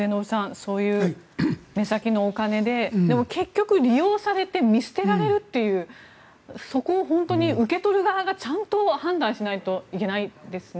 そういう目先のお金ででも、結局利用されて見捨てられるというそこを本当に受け取る側がちゃんと判断しないといけないですね。